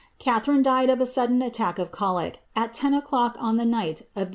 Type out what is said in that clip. Catharine died of a sudden attack of cholic, at tenVlock on the Digbt of Dec.